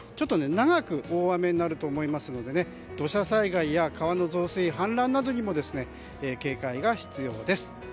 長く大雨になると思いますので土砂災害や川の増水、氾濫などにも警戒が必要です。